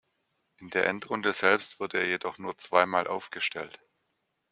In der Endrunde selbst wurde er jedoch nur zweimal aufgestellt.